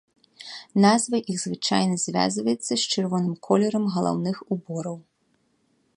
Назва іх звычайна звязваецца з чырвоным колерам галаўных убораў.